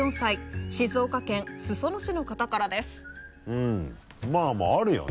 うんまぁまぁあるよね。